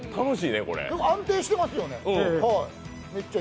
安定してますよね。